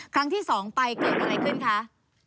ครั้งที่๒ไปเกิดอะไรขึ้นคะ